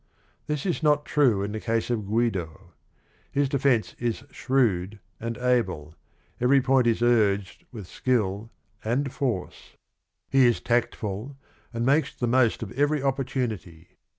This is not true in the case of Guido. His defense is shrewd and able: every point is urged with skill and force. He is tactful and makes the most of every opportunity.